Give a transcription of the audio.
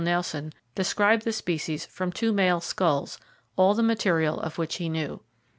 Nelson described the species from two male skulls, all the material of which he knew.